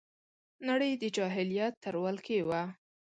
نړۍ د جاهلیت تر ولکې وه